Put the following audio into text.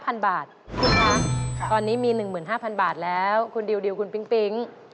คุณคะตอนนี้มี๑๕๐๐บาทแล้วคุณดิวคุณปิ๊ง